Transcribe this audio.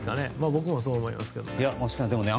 僕もそう思いますけどね。